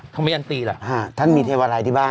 ธมยันตีล่ะท่านมีเทวารายที่บ้านไหม